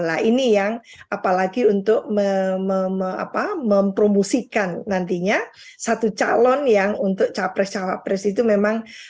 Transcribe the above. nah ini yang apalagi untuk mempromosikan nantinya satu calon yang untuk capres cawapres itu memang